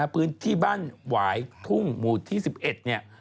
พื้นที่บ้านหวายทุ่งหมู่ที่๑๑เนี่ย